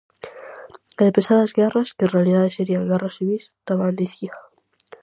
E de pesadas guerras, que en realidade serían guerras civís, tamén dicía.